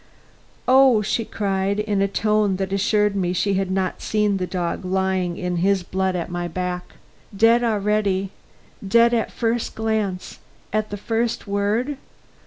"Oh," she cried, in a tone that assured me she had not seen the dog lying in his blood at my back; "dead already? dead at the first glance? at the first word?